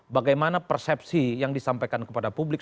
bagaimana persepsi yang disampaikan kepada publik